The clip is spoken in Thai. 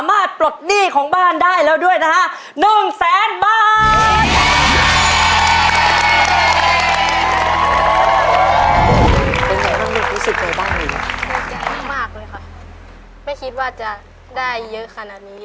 ไม่คิดว่าจะได้เยอะขนาดนี้